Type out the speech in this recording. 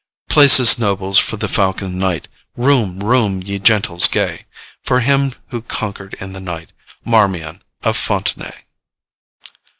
Place, nobles, for the Falcon Knight! Room, room, ye gentles gay, For him who conquered in the right, Marmion of Fontenaye.''